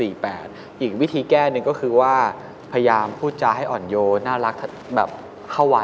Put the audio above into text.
อีกวิธีแก้หนึ่งก็คือว่าพยายามพูดจาให้อ่อนโยนน่ารักแบบเข้าวัด